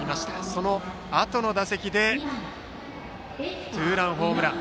そのあとの打席でツーランホームラン。